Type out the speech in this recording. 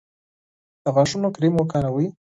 د غاښونو کریم وکاروئ.